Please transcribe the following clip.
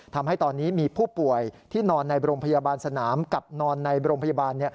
ทำให้ตอนนี้มีผู้ป่วยที่นอนในโรงพยาบาลสนามกับนอนในโรงพยาบาล